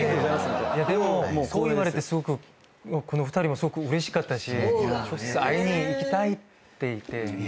でもこう言われて２人もすごくうれしかったし直接会いに行きたいって。